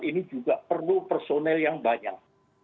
ini juga perlu personel yang banyak